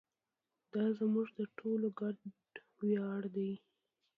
دا زموږ د ټولو ګډ ویاړ دی.